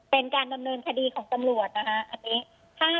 เป็นการดำเนินคดีของตำรวจนะคะอันนี้